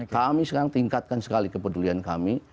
kami sekarang tingkatkan sekali kepedulian kami